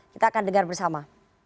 kita akan dengar bersama